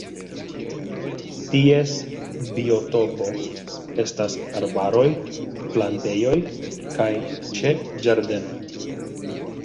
Ties biotopo estas arbaroj, plantejoj kaj ĉe ĝardenoj.